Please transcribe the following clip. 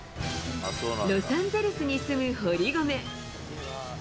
ロサンゼルスに住む堀米。